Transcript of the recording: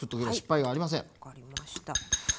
分かりました。